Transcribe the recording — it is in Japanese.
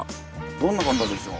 どんな方でしょう？